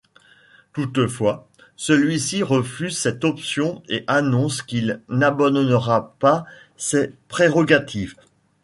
Toutefois, celui-ci refuse cette option et annonce qu'il n’abandonnera pas ses prérogatives.